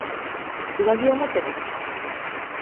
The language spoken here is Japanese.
上着を持って出かけます。